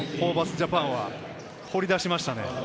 ＪＡＰＡＮは掘り出しましたね。